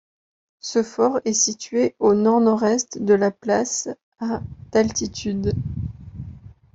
Ce fort est situé au nord-nord-est de la place, à d'altitude.